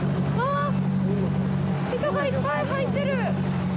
あっ、人がいっぱい入ってる！